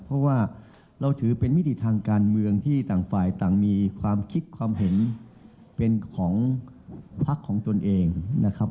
เพราะว่าเราถือเป็นมิติทางการเมืองที่ต่างฝ่ายต่างมีความคิดความเห็นเป็นของพักของตนเองนะครับ